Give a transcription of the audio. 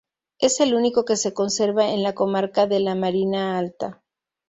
Es el único que se conserva en la comarca de la Marina Alta.